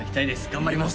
頑張ります